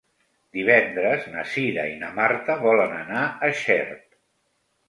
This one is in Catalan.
Divendres na Cira i na Marta volen anar a Xert.